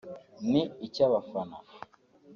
ni icy’abafana